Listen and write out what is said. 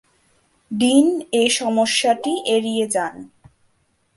Dean এ সমস্যাটি এড়িয়ে যান।